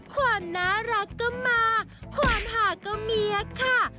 ความน่ารักก็มาความหาก็เมียค่ะ